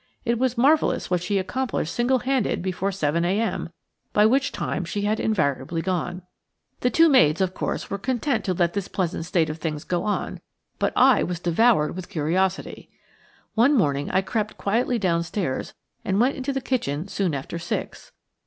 It was marvellous what she accomplished single handed before seven a.m., by which time she had invariably gone. The two maids, of course, were content to let this pleasant state of things go on, but I was devoured with curiosity. One morning I crept quietly downstairs and went into the kitchen soon after six.